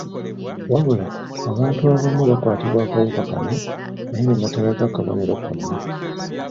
Wabula, abantu abamu bakwatibwa akawuka kano naye ne batalaga kabonero konna.